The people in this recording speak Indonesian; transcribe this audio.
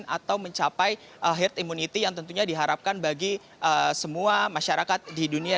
atau mencapai herd immunity yang tentunya diharapkan bagi semua masyarakat di dunia